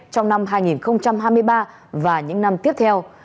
trong năm hai nghìn hai mươi ba và những năm tiếp theo